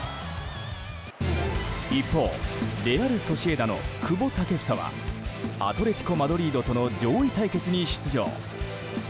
一方、レアル・ソシエダの久保建英はアトレティコ・マドリードとの上位対決に出場。